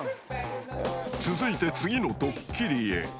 ［続いて次のドッキリへ］